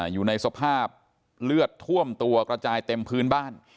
อยู่ในสภาพเลือดท่วมตัวกระจายเต็มพื้นบ้าน